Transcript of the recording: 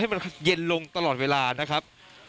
มันเย็นลงตลอดเวลานะครับ